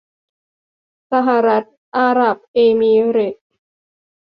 สหรัฐอาหรับเอมิเรตส์